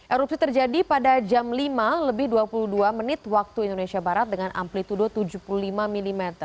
erupsi terjadi pada jam lima lebih dua puluh dua menit waktu indonesia barat dengan amplitude tujuh puluh lima mm